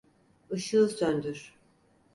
Işığı söndür.